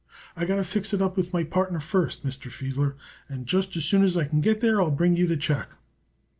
I got to fix it up with my partner first, Mr. Fiedler, and just as soon as I can get there I'll bring you the check."